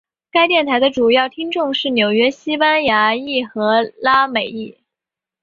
该电台的主要听众是纽约的西班牙裔和拉美裔。